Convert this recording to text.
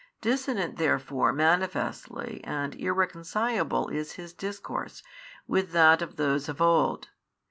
Dissonant therefore manifestly and irreconcileable is His Discourse with that of those of old.